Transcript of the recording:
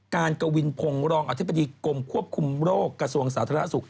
กวินพงศ์รองอธิบดีกรมควบคุมโรคกระทรวงสาธารณสุข